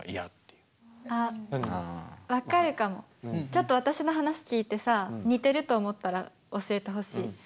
ちょっと私の話聞いてさ似てると思ったら教えてほしい。